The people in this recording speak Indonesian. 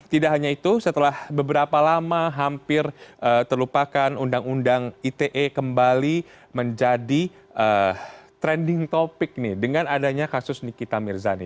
tidak hanya itu setelah beberapa lama hampir terlupakan undang undang ite kembali menjadi trending topic nih dengan adanya kasus nikita mirzani